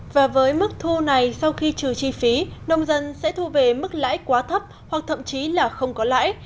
và với mức thu này sau khi trừ chi phí nông dân sẽ thu về mức lãi quá thấp hoặc thậm chí là không có lãi